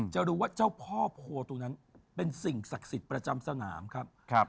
จะรู้ว่าเจ้าพ่อโพตรงนั้นเป็นสิ่งศักดิ์สิทธิ์ประจำสนามครับ